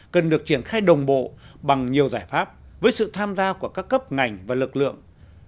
cần được triển khai đồng bộ bằng nhiều giải pháp với sự tham gia của các cấp ngành và lực lượng